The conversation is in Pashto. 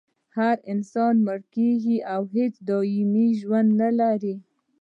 هر انسان مړ کیږي او هېڅوک دایمي ژوند نلري